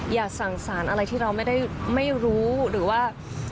อย่าสั่งสารอะไรที่เราไม่ได้ไม่รู้หรือว่า